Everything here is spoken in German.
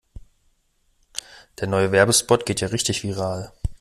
Der neue Werbespot geht ja richtig viral.